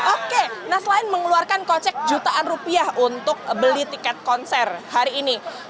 oke nah selain mengeluarkan kocek jutaan rupiah untuk beli tiket konser hari ini